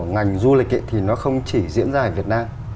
ngành du lịch thì nó không chỉ diễn ra ở việt nam